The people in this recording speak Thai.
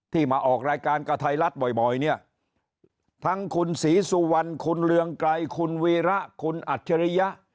มาออกรายการกับไทยรัฐบ่อยเนี่ยทั้งคุณศรีสุวรรณคุณเรืองไกรคุณวีระคุณอัจฉริยะ